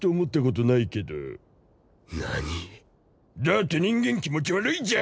だって人間気持ち悪いじゃん。